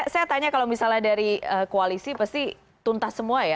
saya tanya kalau misalnya dari koalisi pasti tuntas semua ya